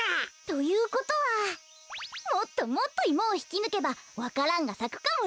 ということはもっともっとイモをひきぬけばわか蘭がさくかもね。